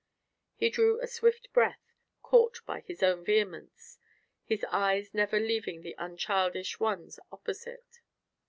He drew a swift breath, caught by his own vehemence, his eyes never leaving the unchildish ones opposite.